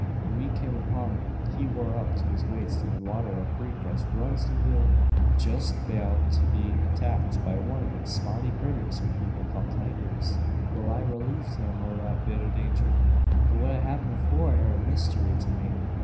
When we kim upon him, he war up to his waist in the water o' a crik as runs through thur, jest beout to be attakted by one o' them spotty critters yur people call tigers. Wal, I relieved him o' that bit o' danger; but what happened afore air a mystery to me.